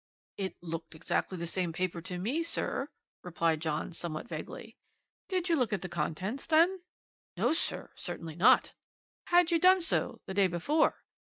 "'It looked exactly the same paper to me, sir,' replied John, somewhat vaguely. "'Did you look at the contents, then?' "'No, sir; certainly not.' "'Had you done so the day before?'